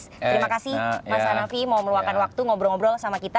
terima kasih mas hanafi mau meluangkan waktu ngobrol ngobrol sama kita